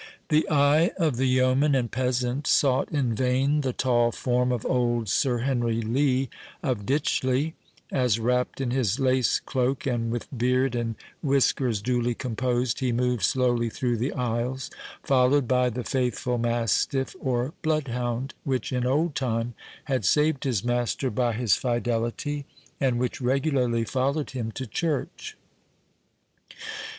The eye of the yeoman and peasant sought in vain the tall form of old Sir Henry Lee, of Ditchley, as, wrapped in his lace cloak, and with beard and whiskers duly composed, he moved slowly through the aisles, followed by the faithful mastiff, or bloodhound, which in old time had saved his master by his fidelity, and which regularly followed him to church.